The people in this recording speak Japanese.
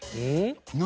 何？